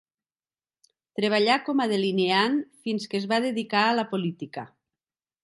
Treballà com a delineant fins que es va dedicar a la política.